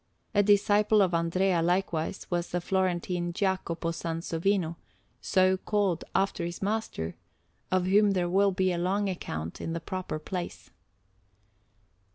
A disciple of Andrea, likewise, was the Florentine Jacopo Sansovino so called after his master of whom there will be a long account in the proper place.